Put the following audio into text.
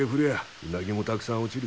うなぎもたくさん落ちる。